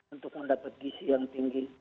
untuk mendapat gisi yang tinggi